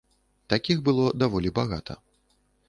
Такіх было даволі багата.